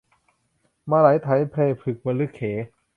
มะเหลไถไพรพรึกมะรึกเข